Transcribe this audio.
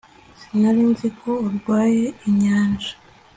sinari nzi ko urwaye inyanja